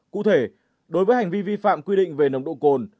cụ thể đối với hành vi vi phạm quy định về nồng độ cồn